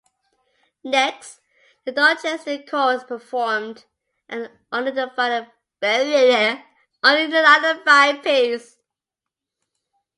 Next, the Dorchester chorus performed an unidentified piece.